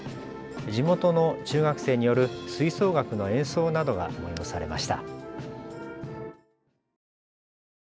地元の中学生による吹奏楽の演奏などが催されました。